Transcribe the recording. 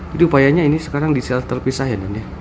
jadi upayanya ini sekarang di sel terpisah ya